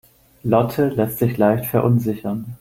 Lotte lässt sich leicht verunsichern.